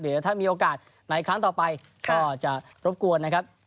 เดี๋ยวถ้ามีโอกาสในครั้งต่อไปก็จะรบกวนนะครับ